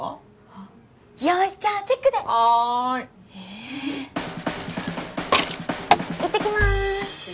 ええ。いってきます！